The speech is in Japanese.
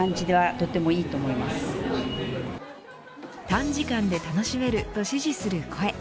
短時間で楽しめると支持する声。